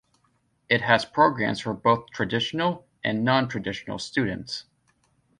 It has programs for both traditional and non-traditional students.